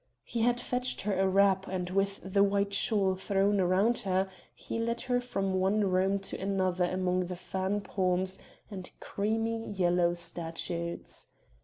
He had fetched her a wrap and with the white shawl thrown around her he led her from one room to another among the fan palms and creamy yellow statues.